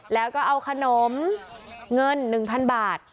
แล้วก็เอาขนมเงิน๑๐๐๐บาท